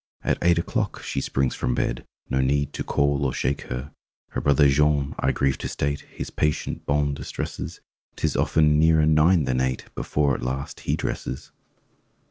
At eight o'clock she springs from bed No need to call or shake her. Her brother Jean—I grieve to state— His patient bonne distresses; 'Tis often nearer nine than eight Before at last he dresses.